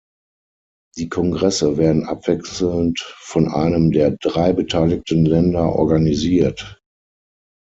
Die Kongresse werden abwechselnd von einem der drei beteiligten Länder organisiert.